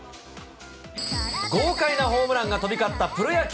豪快なホームランが飛び交ったプロ野球。